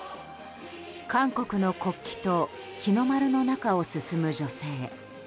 韓国の国旗と日の丸の中を進む女性。